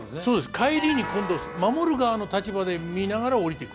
帰りに今度守る側の立場で見ながら下りてく。